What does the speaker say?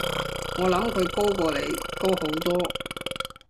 我諗佢高過你，高好多